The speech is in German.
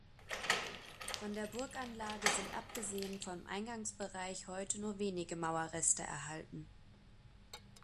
Von der Burganlage sind abgesehen vom Eingangsbereich heute nur wenige Mauerreste erhalten.